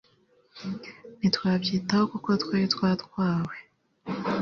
ntitwabyitaho kuko twari twatwawe